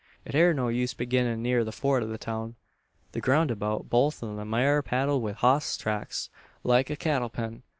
"It air no use beginnin' neer the Fort or the town. The groun' abeout both on 'em air paddled wi' hoss tracks like a cattle pen.